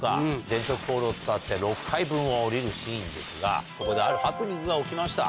電飾コードを使って、６階分を下りるシーンですが、ここであるハプニングが起きました。